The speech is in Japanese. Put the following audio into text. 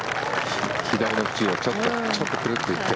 左の縁をちょっとクルッと行って。